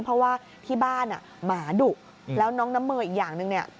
เพราะว่าที่บ้านหมาดุแล้วน้องน้ำเมย์อีกอย่างหนึ่งเนี่ย